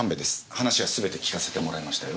話はすべて聞かせてもらいましたよ。